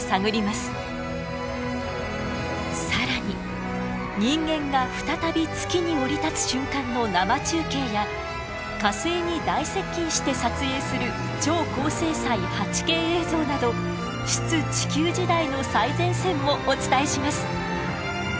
更に人間が再び月に降り立つ瞬間の生中継や火星に大接近して撮影する超高精細８Ｋ映像など出・地球時代の最前線もお伝えします。